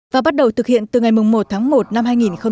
và bắt đầu thực hiện từ ngày một tháng một năm hai nghìn một mươi chín